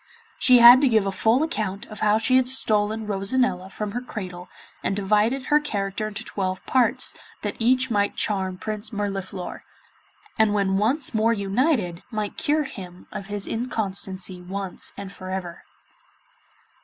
She had to give a full account of how she had stolen Rosanella from her cradle, and divided her character into twelve parts, that each might charm Prince Mirliflor, and when once more united might cure him of his inconstancy once and for ever.